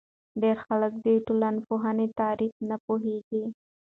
ډېری خلک د ټولنپوهنې تعریف نه پوهیږي.